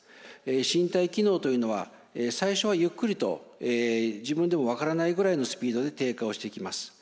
身体機能というのは最初はゆっくりと自分でも分からないぐらいのスピードで低下をしていきます。